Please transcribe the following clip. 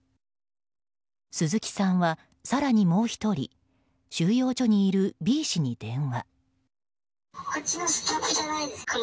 鈴木さんは、更にもう１人収容所にいるＢ氏に電話。